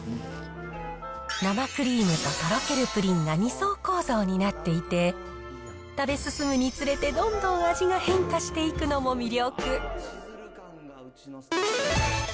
生クリームととろけるプリンが２層構造になっていて、食べ進むにつれて、どんどん味が変化していくのも魅力。